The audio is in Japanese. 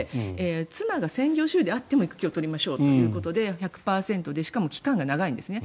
妻が専業主婦であっても育休を取りましょうということで１００％でしかも期間が長いんですね。